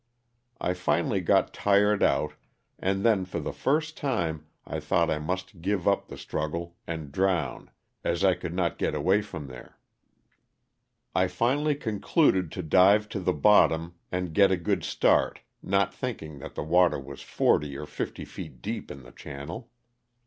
I finally got tired out, and then for the first time I thought I must give up the struggle and drown as I could not get away from there. I finally concluded to dive to the bottom and get a good start not thinking that the water was forty or fifty feet deep in the channel.